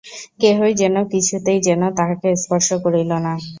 কেহই যেন, কিছুতেই যেন, তাহাকে স্পর্শ করিল না।